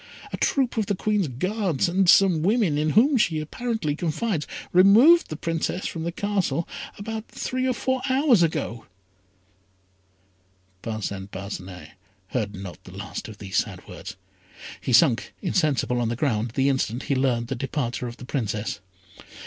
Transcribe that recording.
A troop of the Queen's Guards, and some women, in whom she apparently confides, removed the Princess from the Castle about three or four hours ago." Parcin Parcinet heard not the last of these sad words. He had sunk insensible on the ground the instant he learned the departure of the Princess.